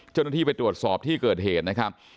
เจ้าหน้าที่ไปตรวจสอบที่เกิดเหตุนะครับ